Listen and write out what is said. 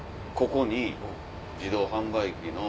ここに自動販売機の。